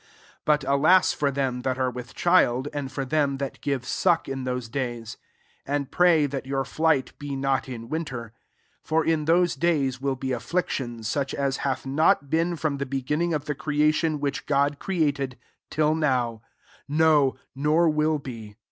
17 " But alas for them that are with child, and for them thar gire suck in those days. 18 And pray that [^your flight] be not in winter. 19 For in those days will be affliction, such as hath not been from the beginning of the creation which God created, till now ; no, nor will be.